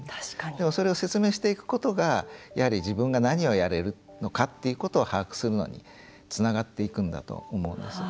でも、それを説明していくことがやはり、自分が何をやれるのかっていうことを把握するのにつながっていくんだと思うんです。